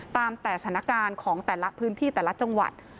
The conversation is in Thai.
ตามแต่สถานการณ์ของแต่ละพื้นที่แต่ละจังหวัด